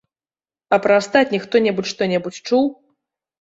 А пра астатніх хто-небудзь што-небудзь чуў?